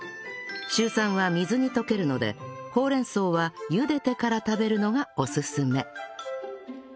シュウ酸は水に溶けるのでほうれん草は茹でてから食べるのがおすすめ